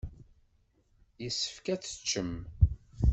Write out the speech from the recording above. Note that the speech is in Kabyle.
Yessefk ad teččem.